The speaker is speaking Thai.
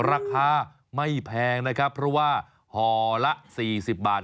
ราคาไม่แพงนะครับเพราะว่าห่อละ๔๐บาท